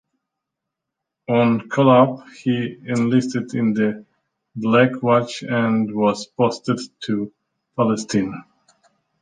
On call-up, he enlisted in the Black Watch, and was posted to Palestine.